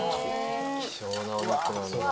「希少なお肉なんだ」